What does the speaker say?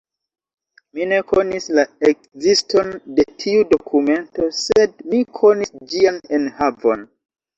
Mi ne konis la ekziston de tiu dokumento, sed mi konis ĝian enhavon.